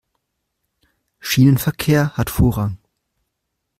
Schienenverkehr hat Vorrang.